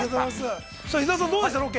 ◆さあ伊沢さん、どうでした、ロケ？